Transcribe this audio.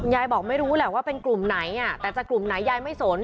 ยายบอกไม่รู้แหละว่าเป็นกลุ่มไหนแต่จะกลุ่มไหนยายไม่สน